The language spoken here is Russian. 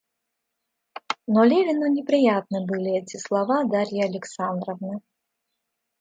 Но Левину неприятны были эти слова Дарьи Александровны.